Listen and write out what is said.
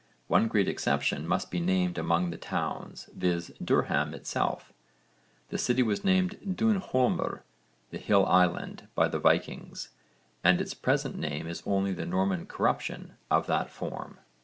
One great exception must be named among the towns, viz. Durham itself. The city was named Dún holmr, 'the hill island,' by the Vikings, and its present name is only the Norman corruption of that form.